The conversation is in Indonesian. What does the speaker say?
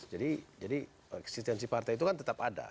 jadi eksistensi partai itu kan tetap ada